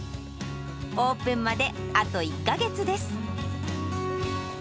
オープンまであと１か月です。